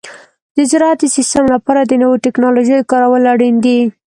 د زراعت د سیستم لپاره د نوو تکنالوژیو کارول اړین دي.